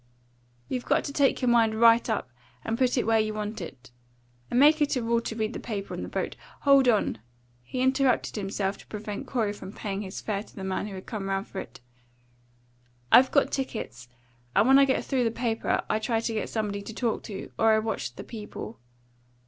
You got to take your mind right up and put it where you want it. I make it a rule to read the paper on the boat Hold on!" he interrupted himself to prevent Corey from paying his fare to the man who had come round for it. "I've got tickets. And when I get through the paper, I try to get somebody to talk to, or I watch the people.